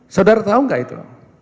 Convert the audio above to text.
saudara tahu gak itu